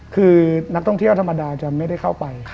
คือนักท่องเที่ยวธรรมดาจะไม่ได้เข้าไป